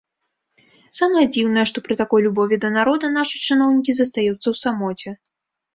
Самае дзіўнае, што пры такой любові да народа нашы чыноўнікі застаюцца ў самоце.